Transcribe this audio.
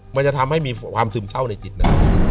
มันจะทำให้มีความซึมเศร้าในจิตนั้น